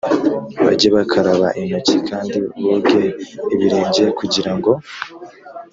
bajye bakaraba intoki kandi boge ibirenge kugira ngo